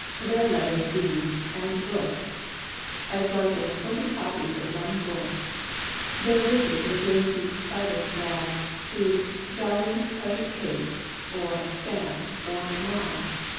"Their letters read, and look, As like as twenty copies of one book. They're written in a dainty, spider scrawl, To 'darling, precious Kate,' or 'Fan,' or 'Moll.'